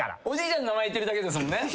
おじいちゃんの名前言ってるだけですもんね。